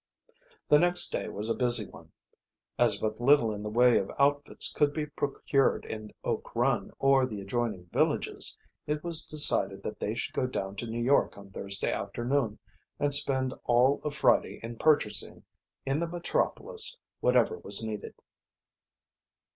The next day was a busy one. As but little in the way of outfits could be procured in Oak Run or the adjoining villages, it was decided that they should go down to New York on Thursday afternoon and spend all of Friday in purchasing in the metropolis whatever was needed.